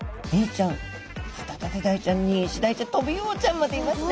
ちゃんハタタテダイちゃんにイシダイちゃんトビウオちゃんまでいますね。